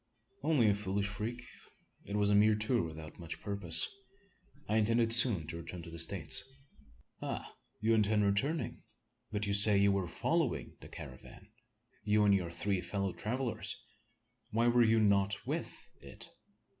"Only a foolish freak. It was a mere tour without much purpose. I intended soon to return to the States." "Ah! you intend returning? But you say you were following the caravan you and your three fellow travellers! Why were you not with it?